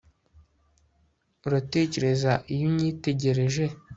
Uratekereza iyo unyitegereje